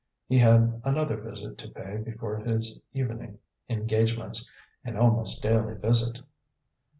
He had another visit to pay before his evening engagements, an almost daily visit.